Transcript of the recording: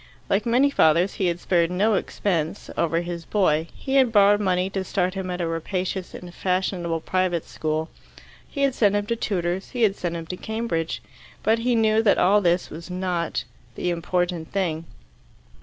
Like many fathers, he had spared no expense over his boy, he had borrowed money to start him at a rapacious and fashionable private school; he had sent him to tutors; he had sent him to Cambridge. But he knew that all this was not the important thing.